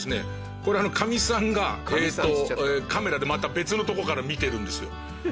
これカミさんがカメラでまた別の所から見てるんですよ。